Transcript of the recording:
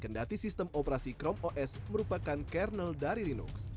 kendati sistem operasi chrome os merupakan kernel dari linux